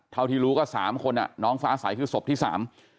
เท่าที่รู้ก็สามคนอ่ะน้องฟ้าใสคือศพที่สาม